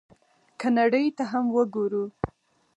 که نړۍ ته هم وګورو،